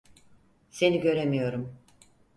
Seni göremiyorum.